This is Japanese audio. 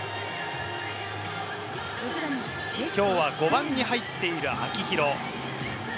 きょうは５番に入っている秋広。